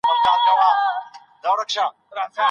د دلارام سیند پر غاړه یو ډېر ښکلی پارک جوړ سوی دی